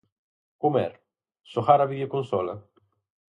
Comer, xogar á videoconsola...?